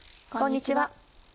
こんにちは。